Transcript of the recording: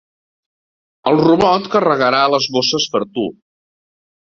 El robot carregarà les bosses per tu.